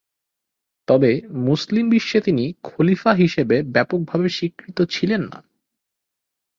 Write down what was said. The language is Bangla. তবে মুসলিম বিশ্বে তিনি খলিফা হিসেবে ব্যাপকভাবে স্বীকৃত ছিলেন না।